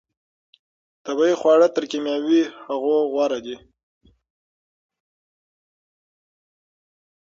طبیعي خواړه تر کیمیاوي هغو غوره دي.